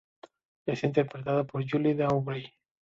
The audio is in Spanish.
Es interpretada por Juliet Aubrey.